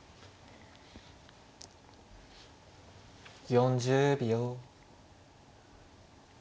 ４０秒。